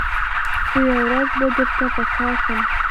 خو یوه ورځ به درته په کار سم